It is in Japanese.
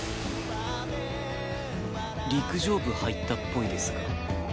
陸上部入ったっぽいですが？